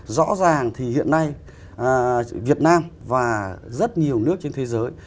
rõ ràng thì hiện nay việt nam và rất nhiều nước trên thế giới